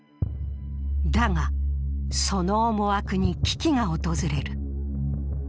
だが、その思惑に危機が訪れる。